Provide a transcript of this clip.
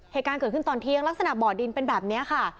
เหตุการณ์เกิดขึ้นตอนเที่ยงลักษณะบ่อดินเป็นแบบนี้ค่ะ